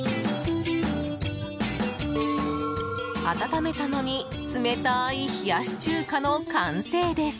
温めたのに冷たい冷やし中華の完成です。